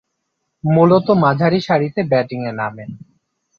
মূলতঃ মাঝারিসারিতে ব্যাটিংয়ে নামেন।